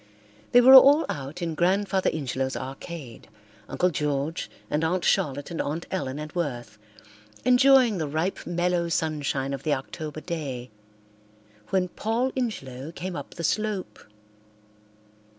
They were all out in Grandfather Ingelow's arcade, Uncle George and Aunt Charlotte and Aunt Ellen and Worth, enjoying the ripe mellow sunshine of the October day, when Paul Ingelow came up the slope.